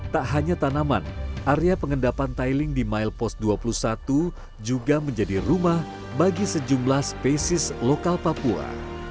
tak hanya tanaman area pengendapan tiling di milepost dua puluh satu juga menjadi rumah bagi sejumlah spesies lokal papua